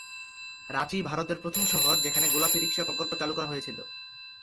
রাঁচি ভারতের প্রথম শহর যেখানে গোলাপী রিকশা প্রকল্প চালু করা হয়েছিল।